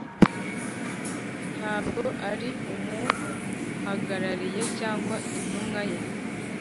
nta bwo ari umuhagarariye cyangwa intumwa ye,